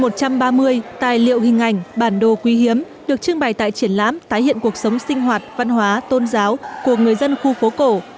nhiều hình ảnh bản đồ quý hiếm được trưng bày tại triển lãm tái hiện cuộc sống sinh hoạt văn hóa tôn giáo của người dân khu phố cổ